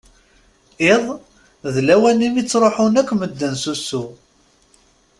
Iḍ, d lawan-nni mi ttruḥen akk medden s usu.